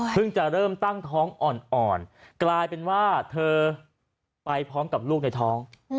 จะเริ่มตั้งท้องอ่อนกลายเป็นว่าเธอไปพร้อมกับลูกในท้อง